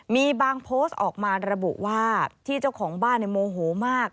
มีบางโพสต์ออกมาระบุว่าที่เจ้าของบ้านโมโหมาก